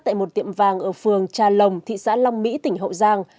tại một tiệm vàng ở phường trà lồng thị xã long mỹ tỉnh hậu giang